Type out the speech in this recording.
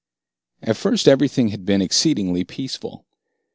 At first everything had been exceedingly peaceful.